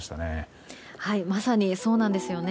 まさにそうなんですよね。